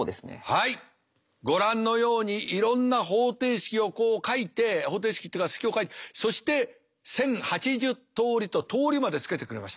ご覧のようにいろんな方程式をこう書いて方程式っていうか式を書いてそして１，０８０通りと「通り」までつけてくれました。